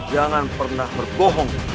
jangan pernah berbohong